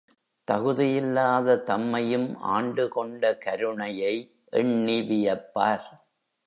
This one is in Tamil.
தகுதியில்லாத தம்மையும் ஆண்டுகொண்ட கருணையை எண்ணி வியப்பார்.